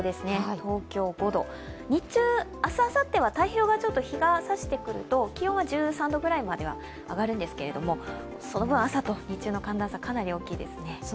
東京５度、日中明日あさって、太平洋側、日がさしてくると気温は１３度ぐらいまでは上がるんですけれどもその分、朝と日中の寒暖差かなり大きいですね。